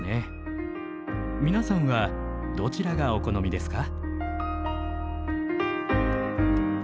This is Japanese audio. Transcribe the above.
皆さんはどちらがお好みですか？